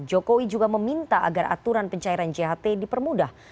jokowi juga meminta agar aturan pencairan jht dipermudah